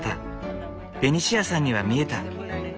ベニシアさんには見えた。